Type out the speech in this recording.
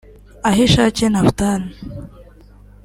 Ahishakiye Naphtali